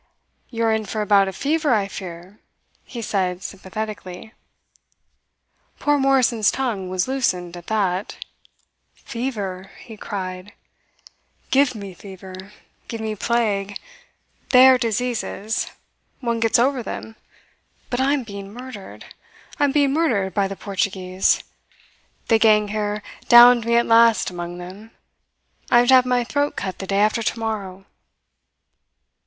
"You are in for a bout of fever, I fear," he said sympathetically. Poor Morrison's tongue was loosened at that. "Fever!" he cried. "Give me fever. Give me plague. They are diseases. One gets over them. But I am being murdered. I am being murdered by the Portuguese. The gang here downed me at last among them. I am to have my throat cut the day after tomorrow."